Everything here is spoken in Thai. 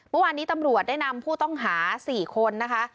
เมื่อวานนี้ตำรวจได้นำผู้ต้องหา๔คนนะคะ